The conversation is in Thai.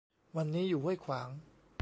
วันนี้อยู่ห้วยขวาง